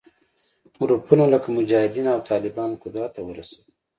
ګروپونه لکه مجاهدین او طالبان قدرت ته ورسوي